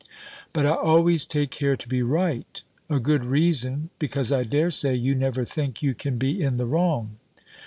"But I always take care to be right." "A good reason because, I dare say, you never think you can be in the wrong."